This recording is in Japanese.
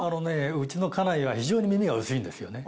うちの家内が非常に耳が薄いんですよね。